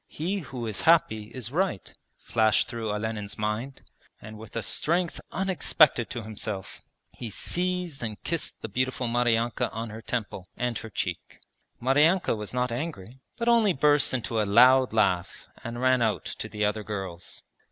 He who is happy is right,' flashed through Olenin's mind, and with a strength unexpected to himself he seized and kissed the beautiful Maryanka on her temple and her cheek. Maryanka was not angry, but only burst into a loud laugh and ran out to the other girls.